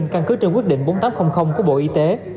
căn cứ trên quyết định bốn nghìn tám trăm linh của bộ y tế